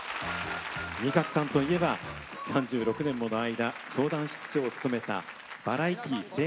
仁鶴さんといえば３６年もの間、相談室長を務めた「バラエティー生活笑百科」。